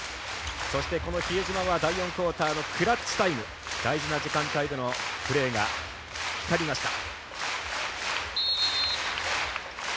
そして、比江島は第４クオーターのクラッチタイム大事な時間帯でのプレーが光りました。